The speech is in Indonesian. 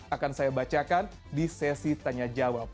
akan saya bacakan di sesi tanya tanya ini